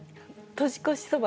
年越しそば